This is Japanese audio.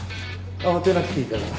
慌てなくていいからね。